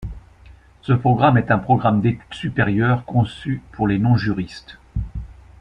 Ce programme est un programme d'études supérieures conçu pour les non-juristes.